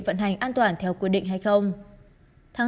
vận hành an toàn theo quy định hay không